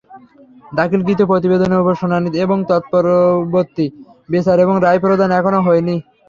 দাখিলকৃত প্রতিবেদনের ওপর শুনানি এবং তৎপরবর্তী বিচার এবং রায় প্রদান এখনো হয়নি।